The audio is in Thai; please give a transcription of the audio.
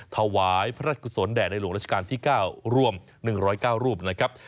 ถวายพระราชกุศลแด่ในหลวงราชการที่๙รวม๑๐๙รูปนะครับ